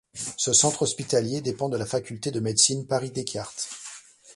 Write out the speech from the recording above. Ce centre hospitalier dépend de la Faculté de médecine Paris-Descartes.